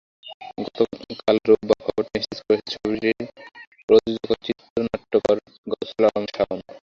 গতকাল রোববার খবরটি নিশ্চিত করেছেন ছবিটির প্রযোজক ও চিত্রনাট্যকার গাউসুল আলম শাওন।